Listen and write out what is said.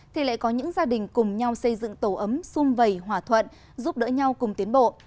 thì lại có những gia đình cùng nhau xây dựng tổ ấm xung vầy hòa thuận giúp đỡ nhau cùng tiến bộ